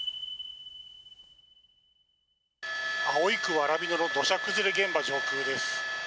葵区わらびのの土砂崩れ現場上空です。